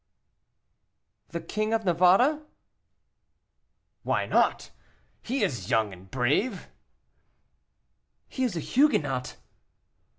"The king of Navarre?" "Why not? He is young, and brave," "He is a Huguenot."